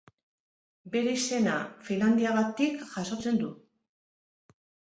Bere izena Finlandiagatik jasotzen du.